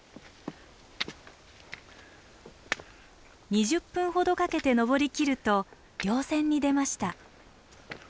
２０分ほどかけて登りきると稜線に出ました。